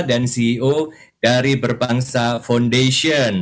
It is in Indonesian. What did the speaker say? dan ceo dari berbangsa foundation